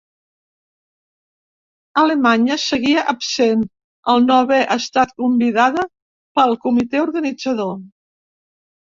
Alemanya seguia absent, al no haver estat convidada pel Comitè Organitzador.